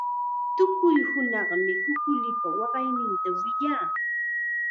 Tukuy hunaqmi kukulipa waqayninta wiyaa.